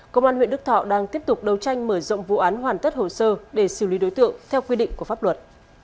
công an huyện đức thọ đang tiếp tục đấu tranh mở rộng vụ án hoàn tất hồ sơ để xử lý đối tượng theo quy định của pháp luật